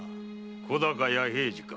小高弥平次か。